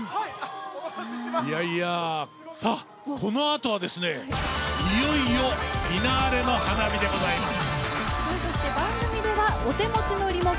いやいや、さあ、このあとはですね、いよいよフィナーレの花火でございます。